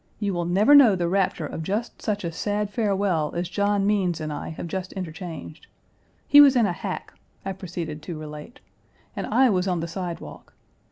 You will never know the rapture of such a sad farewell as John Means and I have just interchanged. He was in a hack," I proceeded to relate, "and I was on the sidewalk.